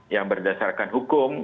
yang berdasarkan hukum